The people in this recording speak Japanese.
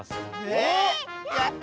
えやった！